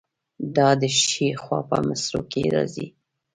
دا د ښي خوا په مصرو کې راځي.